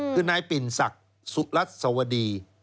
คือนายปิ่นศักดิ์สุรัสสวดี